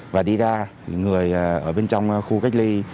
và đi ra những người ở bên trong khu cách ly